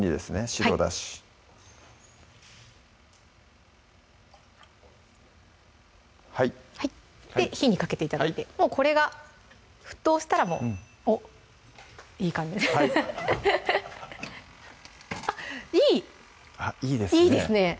白だしはいで火にかけて頂いてもうこれが沸騰したらもう・・おっいい感じあっいいいいですね